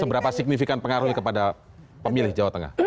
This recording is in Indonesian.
seberapa signifikan pengaruhnya kepada pemilih jawa tengah